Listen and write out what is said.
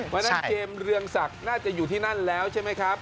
เพราะฉะนั้นเจมส์เรืองศักดิ์น่าจะอยู่ที่นั่นแล้วใช่ไหมครับ